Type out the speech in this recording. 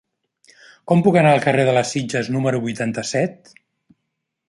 Com puc anar al carrer de les Sitges número vuitanta-set?